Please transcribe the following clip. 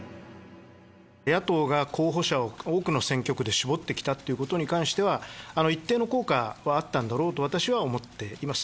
野党が候補者を多くの選挙区で絞ってきたっていうことに関しては、一定の効果はあったんだろうと、私は思っています。